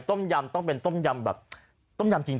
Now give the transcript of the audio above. ต้มยำต้องเป็นต้มยำแบบต้มยำจริง